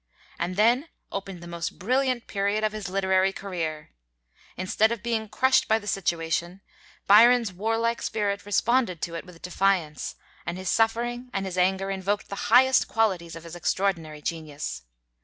And then opened the most brilliant period of his literary career. Instead of being crushed by the situation, Byron's warlike spirit responded to it with defiance, and his suffering and his anger invoked the highest qualities of his extraordinary genius.